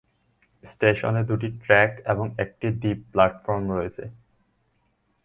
স্টেশনে দুটি ট্র্যাক এবং একটি দ্বীপ প্ল্যাটফর্ম রয়েছে।